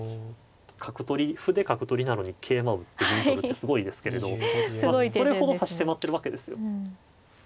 角取り歩で角取りなのに桂馬打って銀取るってすごいですけれどそれほど差し迫ってるわけですよ。